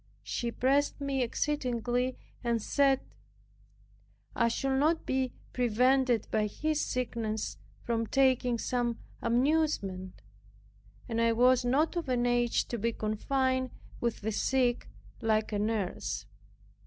She pressed me exceedingly, and said, "I should not be prevented by his sickness from taking some amusement and I was not of an age to be confined with the sick like a nurse."